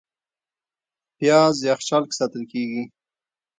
پیاز یخچال کې ساتل کېږي